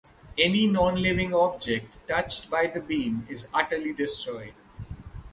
Any nonliving object touched by the beam is utterly destroyed.